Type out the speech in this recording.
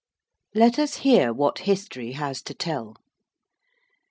Let us hear what history has to tell.